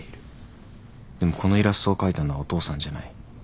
でもこのイラストを描いたのはお父さんじゃない。